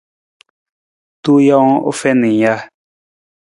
Tuu jawang u fiin ng ja.